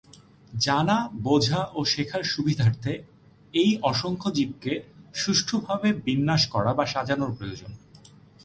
জানা, বোঝা ও শেখার সুবিধার্থে এই অসংখ্য জীবকে সুষ্ঠুভাবে বিন্যাস করা বা সাজানোর প্রয়োজন।